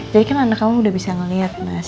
jadi kan anak kamu udah bisa ngeliat mas